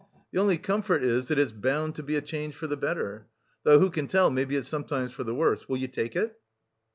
The only comfort is, that it's bound to be a change for the better. Though who can tell, maybe it's sometimes for the worse. Will you take it?"